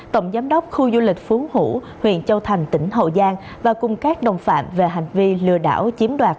tổng giám đốc khu du lịch phú hữu huyện châu thành tỉnh hậu giang và cùng các đồng phạm về hành vi lừa đảo chiếm đoạt